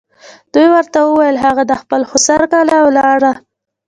دوی ورته وویل هغه د خپل خسر کره ولاړ.